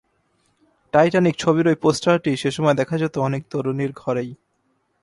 Titanic ছবির ওই পোস্টারটি সে সময় দেখা যেত অনেক তরুণীর ঘরেই।